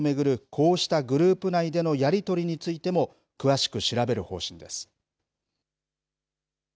こうしたグループ内でのやり取りについても詳しく調べる方針です。